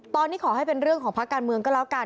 ตอนนี้ขอให้เป็นเรื่องของภาคการเมืองก็แล้วกัน